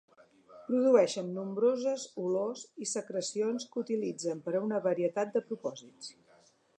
Produeixen nombroses olors i secrecions que utilitzen per a una varietat de propòsits.